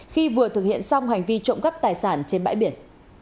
khi vừa thực hiện xong hành vi trộm cắp tài sản trên bãi biển